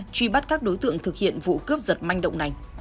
truy bắt các đối tượng thực hiện vụ cướp giật manh động này